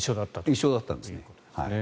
一緒だったんですね。